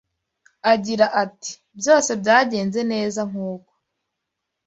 Agira ati “Byose byagenze neza nk’uko